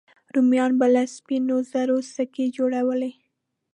رومیانو به له سپینو زرو سکې جوړولې